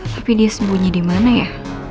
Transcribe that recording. tapi dia sembunyi dimana ya